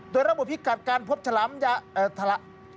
โดยระบุพิกัดการพบฉลามยาเอ่อทะละ